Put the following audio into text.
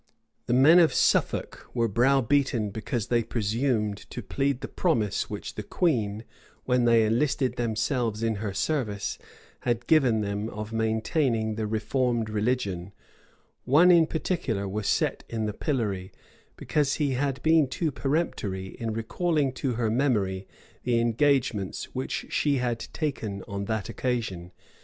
The men of Suffolk were browbeaten because they presumed to plead the promise which the queen, when they enlisted themselves in her service, had given them of maintaining the reformed religion: one in particular was set in the pillory, because he had been too peremptory in recalling to her memory the engagements which she had taken on that occasion.